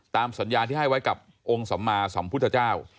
ตามสัญญาที่ให้ไว้กับองค์สัมมาสัมพุทธเจ้า